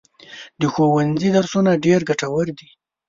د ښوونځي درسونه ډېر ګټور دي.